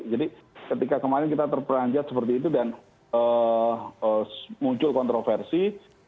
jadi ketika kemarin kita terperanjat seperti itu dan muncul kontroversi